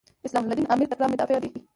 اسلام الدین امیري تکړه مدافع دی.